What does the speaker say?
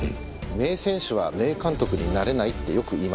名選手は名監督になれないってよく言いますよね。